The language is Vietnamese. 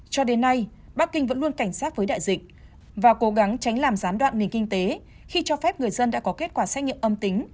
cho đến nay bắc kinh vẫn luôn cảnh sát với đại dịch và cố gắng tránh làm gián đoạn nền kinh tế khi cho phép người dân đã có kết quả xét nghiệm âm tính